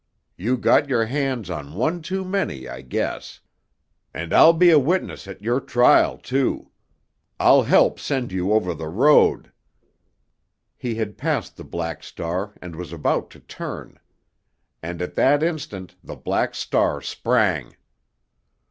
"You got your hands on one too many, I guess. And I'll be a witness at your trial, too! I'll help send you over the road——" He had passed the Black Star and was about to turn. And at that instant the Black Star sprang.